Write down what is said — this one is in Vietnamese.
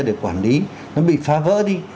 để quản lý nó bị phá vỡ đi